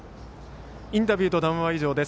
インタビューと談話は以上です。